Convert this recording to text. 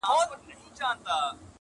قلندر چي د خداى دوست وو بختور وو-